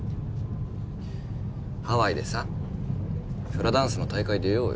ハワイでさフラダンスの大会出ようよ。